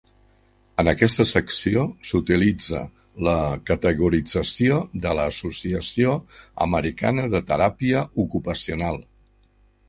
En aquesta secció, s'utilitza la categorització de l'Associació Americana de Teràpia Ocupacional.